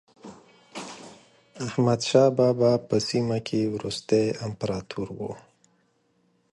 احمد شاه بابا په سیمه کې وروستی امپراتور و.